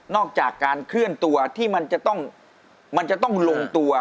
นอกจากการเคลื่อนตัวที่มันจะต้องลงตัว